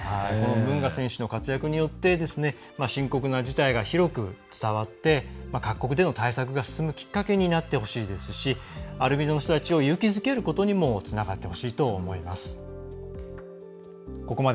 ムンガ選手の活躍によって深刻な事態が広く伝わって各国での対策が進むきっかけになってほしいですしアルビノの人たちを勇気づけることにもつながってほしいと思います。